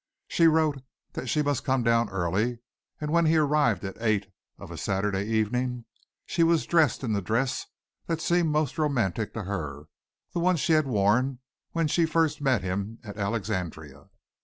She wrote that she must come down early and when he arrived at eight of a Saturday evening she was dressed in the dress that seemed most romantic to her, the one she had worn when she first met him at Alexandria.